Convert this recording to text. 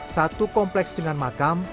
satu kompleks dengan makam